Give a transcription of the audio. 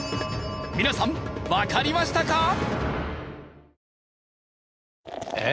皆さんわかりましたか？